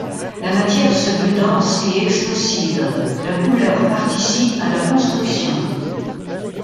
La matière se veut dense et expressive, la couleur participe à la construction.